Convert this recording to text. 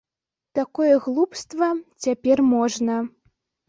Такое глупства цяпер можна.